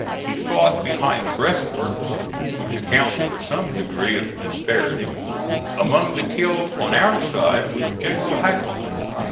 We fought behind breastworks, which accounts in some degree for the disparity. Among the killed on our side was General Hackelman.